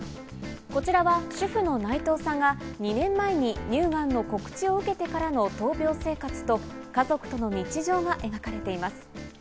こちらは主婦の内藤さんが２年前に乳がんの告知を受けてからの闘病生活と家族との日常が描かれています。